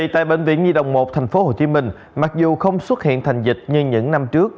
tại bệnh viện nhi đồng một tp hcm mặc dù không xuất hiện thành dịch như những năm trước